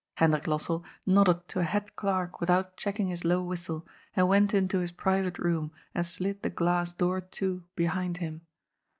Hendrik Lossell nodded to a head clerk without check ing his low whistle, and went into his private room and slid the glass door to behind him.